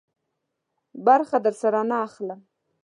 برخه درسره نه اخلم.